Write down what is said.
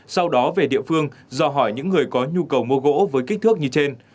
sau đó về địa phương do hỏi những người có nhu cầu mua gỗ với kích thước như trên